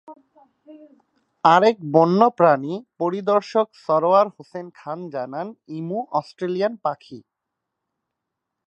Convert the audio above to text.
আরেক বন্য প্রাণী পরিদর্শক সরোয়ার হোসেন খান জানান, ইমু অস্ট্রেলিয়ান পাখি।